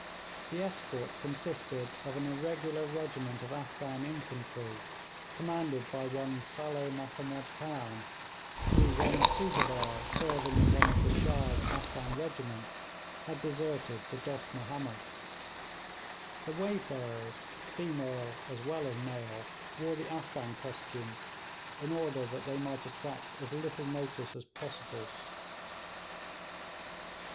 The escort consisted of an irregular regiment of Afghan infantry commanded by one Saleh Mahomed Khan, who when a subadar serving in one of the Shah's Afghan regiments had deserted to Dost Mahomed. The wayfarers, female as well as male, wore the Afghan costume, in order that they might attract as little notice as possible.